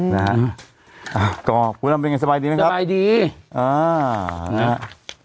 นะฮะอ่าก็คุณอ้ำเป็นไงสบายดีนะครับสบายดีอ่านะฮะ